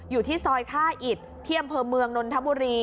อยู่ที่ซอยท่าอิดที่อำเภอเมืองนนทบุรี